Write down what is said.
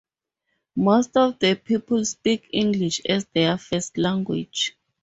Most of the people speak English as their first language.